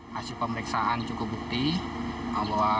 hasil pemeriksaan cukup bukti bahwa mereka dibunuh